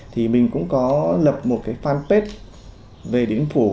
thì mình cũng có lập một cái fanpage về điện biên phủ